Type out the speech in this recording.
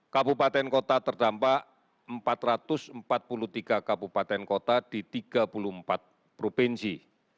kabupaten kota terdampak empat ratus empat puluh tiga kabupaten kota di tiga puluh empat provinsi